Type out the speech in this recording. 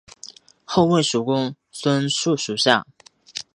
后为蜀公孙述属下。